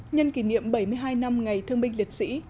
nhân kỷ niệm bảy mươi hai năm ngày thương binh liệt sĩ